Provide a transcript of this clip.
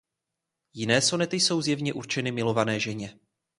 Jiné sonety jsou zjevně určeny milované ženě.